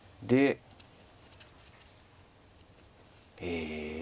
ええ？